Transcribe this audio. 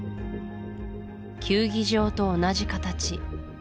球技場と同じ形